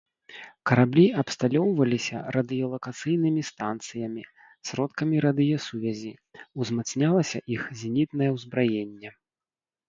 Караблі абсталёўваліся радыёлакацыйнымі станцыямі, сродкамі радыёсувязі, узмацнялася іх зенітнае ўзбраенне.